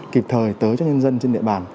kịp thời tới cho nhân dân trên địa bàn